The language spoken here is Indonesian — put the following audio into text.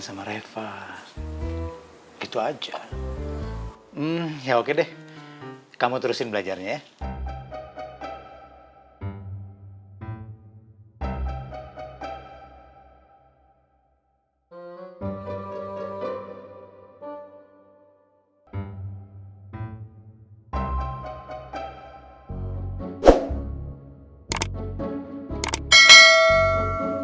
sama reva gitu aja ya oke deh kamu terusin belajarnya ya